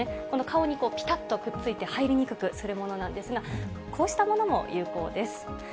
この顔にぴたっとくっついて入りにくくするものなんですが、こうしたものも有効です。